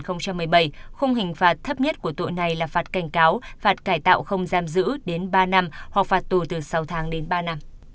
không hình phạt thấp nhất của tội này là phạt cảnh cáo phạt cải tạo không giam giữ đến ba năm hoặc phạt tù từ sáu tháng đến ba năm